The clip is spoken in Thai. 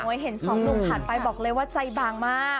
เห็นสองหนุ่มผ่านไปบอกเลยว่าใจบางมาก